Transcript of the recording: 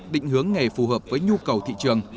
định hướng nghề phù hợp với nhu cầu thị trường